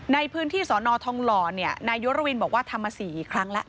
ในพื้นที่สอนอทองหล่อนายยุรวินบอกว่าทำมา๔ครั้งแล้ว